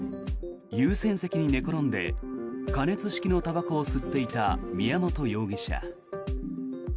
優先席に寝転んで加熱式のたばこを吸っていた宮本容疑者。